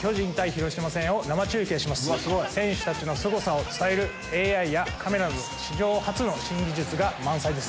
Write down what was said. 選手たちのすごさを伝えるＡＩやカメラなど史上初の新技術が満載です。